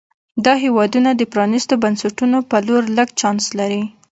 دا هېوادونه د پرانیستو بنسټونو په لور لږ چانس لري.